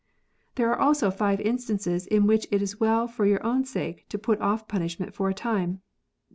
There are also five instances in which it is well for your own sake to put off punishment for a time.